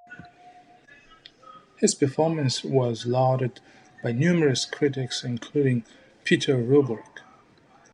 His performance was lauded by numerous critics, including Peter Roebuck.